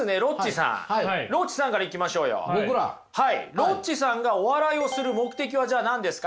ロッチさんがお笑いをする目的はじゃあ何ですか？